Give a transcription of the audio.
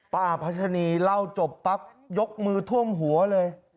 พระพัชนีเล่าจบปั๊บยกมือท่วมหัวเลย